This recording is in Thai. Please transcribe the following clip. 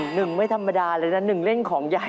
หนึ่งไม่ธรรมดาเลยนะหนึ่งเล่นของใหญ่